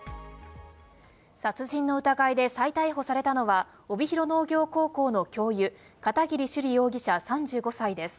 殺人の疑いで再逮捕されたのは、帯広農業高校の教諭・片桐朱璃容疑者、３５歳です。